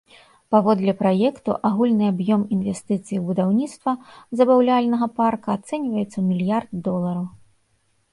Паводле праекту агульны аб'ём інвестыцый ў будаўніцтва забаўляльнага парка ацэньваецца ў мільярд долараў.